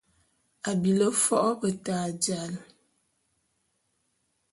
A bili fo’o beta jal .